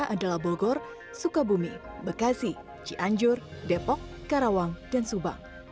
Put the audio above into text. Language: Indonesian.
adalah bogor sukabumi bekasi cianjur depok karawang dan subang